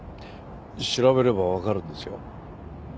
調べればわかるんですよ。